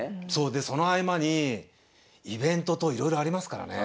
でその合間にイベントといろいろありますからね。